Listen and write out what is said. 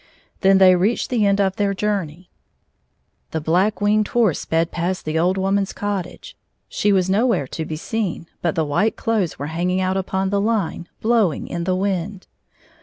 Then they reached the end of their journey. The Black Winged Horse sped past the old wo man's cottage. She was nowhere to be seen, but the white clothes were hanging out upon the line, blowing in the wind.